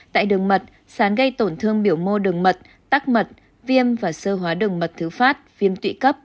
tại đường mật sán gây tổn thương biểu mô đường mật tắc mật viêm và sơ hóa đường mật thứ phát viêm tụy cấp